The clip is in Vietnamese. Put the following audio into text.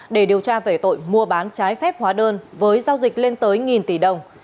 để điều tra về tội mua bán trái phép hóa đơn với giao dịch lên tới nghìn tỷ đồng